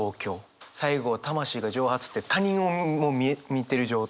最後「魂が蒸発」って他人もう見てる状態。